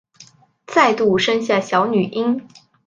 再度生下小女婴